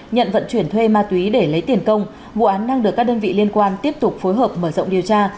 nhận vận chuyển thuê ma túy để lấy tiền công vụ án đang được các đơn vị liên quan tiếp tục phối hợp mở rộng điều tra